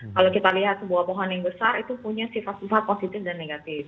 kalau kita lihat sebuah pohon yang besar itu punya sifat sifat positif dan negatif